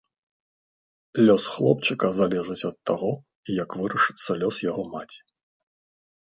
Лёс хлопчыка залежыць ад таго, як вырашыцца лёс яго маці.